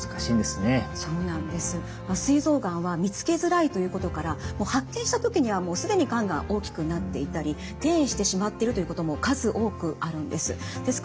すい臓がんは見つけづらいということから発見した時にはもう既にがんが大きくなっていたり転移してしまっているということも数多くあるんです。